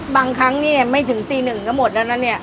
ครั้งนี้เนี่ยไม่ถึงตีหนึ่งก็หมดแล้วนะเนี่ย